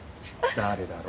誰だろ。